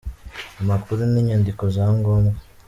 Amakuru n’inyandiko za ngombwa